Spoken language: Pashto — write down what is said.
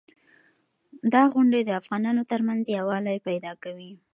دا غونډې د افغانانو ترمنځ یووالی پیدا کوي.